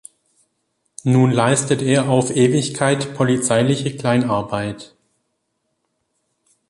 Nun leistet er auf Ewigkeit polizeiliche Kleinarbeit.